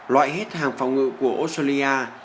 loại hết hàng phòng ngự của australia